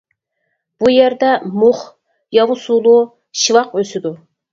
بۇ يەردە مۇخ، ياۋا سۇلۇ، شىۋاق ئۆسىدۇ.